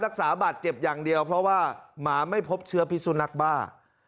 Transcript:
รักษาบาดเจ็บอย่างเดียวเพราะว่าหมาไม่พบเชื้อพิสุนักบ้า